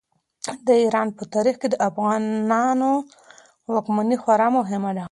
د ایران په تاریخ کې د افغانانو واکمني خورا مهمه ده.